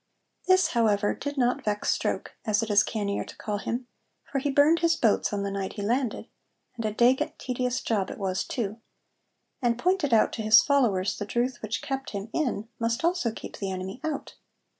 This, however, did not vex Stroke, as it is cannier to call him, for he burned his boats on the night he landed (and a dagont, tedious job it was too), and pointed out to his followers that the drouth which kept him in must also keep the enemy out.